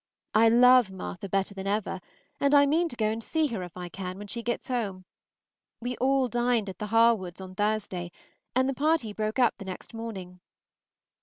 I love Martha better than ever, and I mean to go and see her, if I can, when she gets home. We all dined at the Harwoods' on Thursday, and the party broke up the next morning.